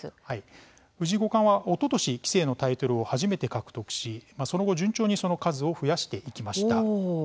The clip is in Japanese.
藤井五冠は、おととし棋聖のタイトルを初めて獲得しその後、順調にその数を増やしていきました。